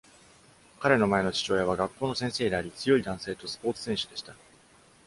彼の前の父親は、学校の先生であり、強い男性とスポーツ選手でした。